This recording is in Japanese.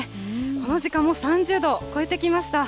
この時間、もう３０度超えてきました。